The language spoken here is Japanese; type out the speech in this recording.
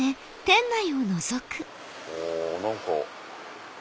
お何か。